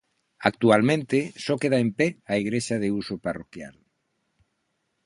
Actualmente só queda en pé a igrexa de uso parroquial.